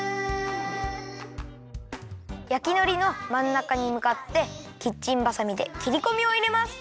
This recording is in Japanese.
焼きのりのまんなかにむかってキッチンバサミできりこみをいれます。